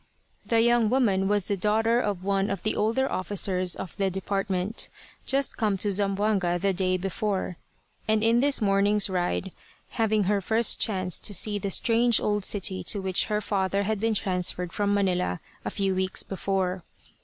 The young woman was the daughter of one of the older officers of the department, just come to Zamboanga the day before, and in this morning's ride having her first chance to see the strange old city to which her father had been transferred from Manila a few weeks before.